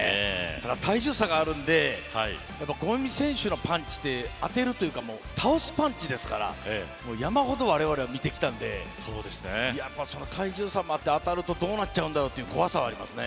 体重差があるので五味選手のパンチって当てるというか倒すパンチですから山ほど我々は見てきたのでその体重差もあって当たるとどうなっちゃうんだろうという怖さはありますね。